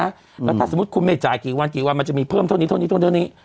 แล้วถ้าสมมุติคุณไม่จ่ายกี่วันกี่วันมันจะมีเพิ่มเท่านี้เท่านี้เท่านี้